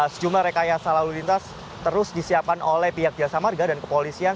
sejumlah rekayasa lalu lintas terus disiapkan oleh pihak jasa marga dan kepolisian